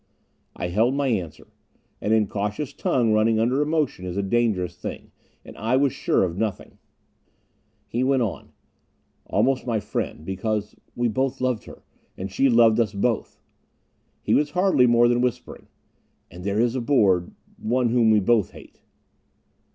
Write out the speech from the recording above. I held my answer. An incautious tongue running under emotion is a dangerous thing. And I was sure of nothing. He went on, "Almost my friend. Because we both loved her, and she loved us both." He was hardly more than whispering. "And there is aboard one whom we both hate."